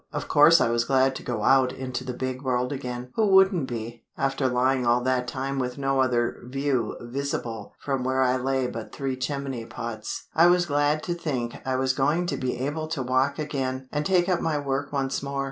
Of course I was glad to go out into the big world again—who wouldn't be, after lying all that time with no other "view" visible from where I lay but three chimney pots? I was glad to think I was going to be able to walk again, and take up my work once more.